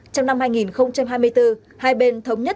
trong năm hai nghìn hai mươi bốn hai bên thống nhất